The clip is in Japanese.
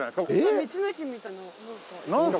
道の駅みたいななんか。